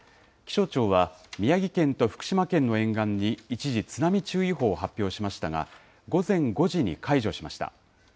気象庁は、宮城県と福島県の沿岸に一時、津波注意報を発表しましたが、午前５時に解除しました。